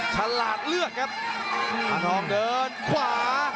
ฉลาดเลือกครับอันน้องเน้นขวา